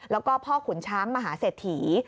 แล้วก็พ่อขุนช้างมหาเศรษฐี